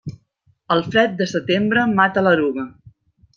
El fred de setembre mata l'eruga.